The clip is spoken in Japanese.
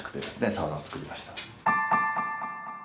サウナを作りました。